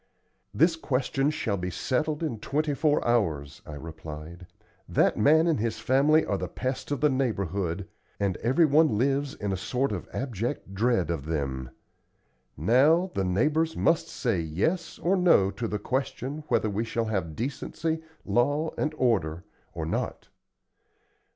"This question shall be settled in twenty four hours!" I replied. "That man and his family are the pest of the neighborhood, and everyone lives in a sort of abject dread of them. Now, the neighbors must say 'yes' or 'no' to the question whether we shall have decency, law, and order, or not.